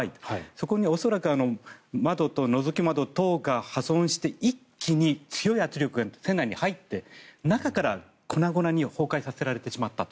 そこに恐らくのぞき窓等が破損して一気に強い圧力が船内に入って中から粉々に崩壊させられてしまったと。